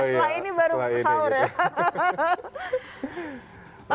setelah ini baru sahur ya